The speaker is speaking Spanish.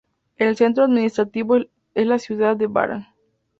El centro administrativo es la ciudad de Baran.